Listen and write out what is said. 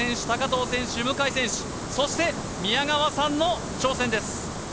藤選手向選手そして宮川さんの挑戦です